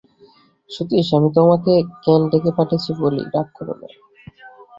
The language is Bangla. সতীশ, আমি তোমাকে কেন ডেকে পাঠিয়েছি বলি, রাগ কোরো না।